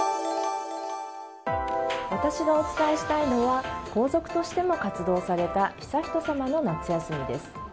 私がお伝えしたいのは皇族としても活動された悠仁さまの夏休みです。